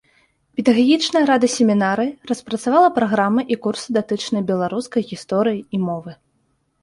Педагагічная рада семінарыі распрацавала праграмы і курсы датычныя беларускай гісторыі і мовы.